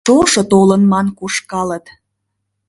«Шошо толын!» ман кушкалыт.